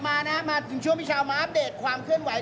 มานะมาถึงช่วงพี่เช้ามาอัปเดตความเคลื่อนไหว